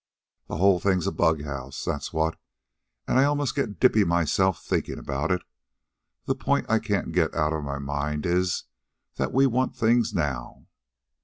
The whole thing's bughouse, that's what, an' I almost get dippy myself thinkin' about it. The point I can't get out of my mind is that we want things now."